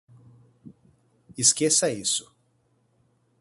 Esqueça isso